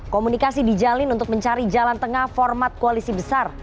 komunikasi dijalin untuk mencari jalan tengah format koalisi besar